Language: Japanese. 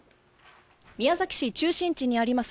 宮崎市中心地にあります